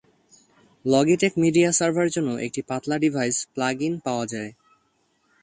Logitech media সার্ভারের জন্য একটি পাতলা ডিভাইস প্লাগইন পাওয়া যায়।